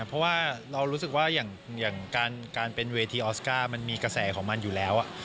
เพราะว่าเรารู้สึกว่าอย่างการเป็นเวทีออสการ์มันมีกระแสของมันอยู่แล้ว